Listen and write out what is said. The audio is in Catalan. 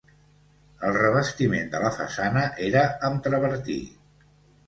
El revestiment de la façana era amb travertí.